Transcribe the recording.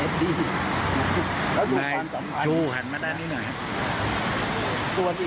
เหมือนกันอันนี้ไม่ใช่อดีตวิทย์ตำรวจ